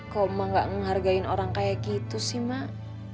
kok emak gak ngehargain orang kaya gitu sih mak